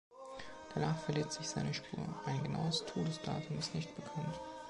Danach verliert sich seine Spur; ein genaues Todesdatum ist nicht bekannt.